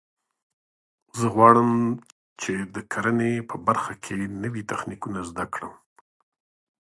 زه غواړم چې د کرنې په برخه کې نوي تخنیکونه زده کړم